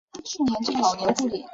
喜欢干燥环境。